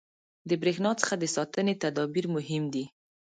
• د برېښنا څخه د ساتنې تدابیر مهم دي.